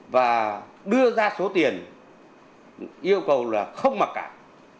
và đưa ra số tiền yêu cầu là không mặc cảm